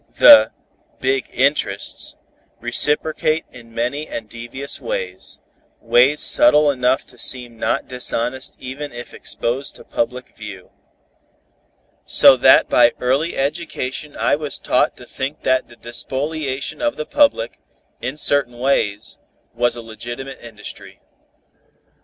The "big interests" reciprocate in many and devious ways, ways subtle enough to seem not dishonest even if exposed to public view. So that by early education I was taught to think that the despoliation of the public, in certain ways, was a legitimate industry.